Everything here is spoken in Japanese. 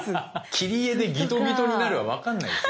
切り絵でギトギトになるは分かんないですよ。